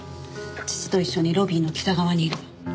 父と一緒にロビーの北側にいるわ。